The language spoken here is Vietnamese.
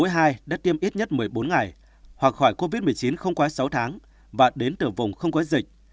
hai đã tiêm ít nhất một mươi bốn ngày hoặc khỏi covid một mươi chín không quá sáu tháng và đến từ vùng không có dịch